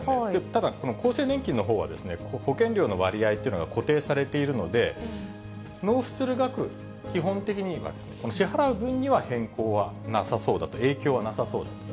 ただ、この厚生年金のほうは、保険料の割合というのが固定されているので、納付する額、基本的には、この支払う分には変更はなさそうだと、影響はなさそうだと。